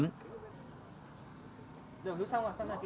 được đưa xong rồi xong là kết thai